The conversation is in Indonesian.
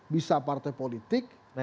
bisa partai politik